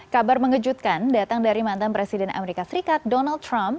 kabar mengejutkan datang dari mantan presiden amerika serikat donald trump